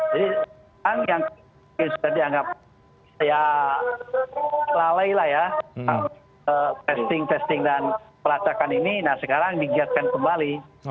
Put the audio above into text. jadi sekarang yang sudah dianggap ya lalai lah ya testing testing dan pelacakan ini nah sekarang dikirakan kembali